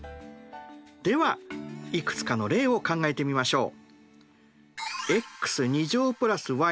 ではいくつかの例を考えてみましょう。